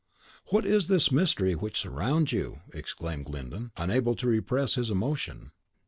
"What is this mystery which surrounds you?" exclaimed Glyndon, unable to repress his emotion.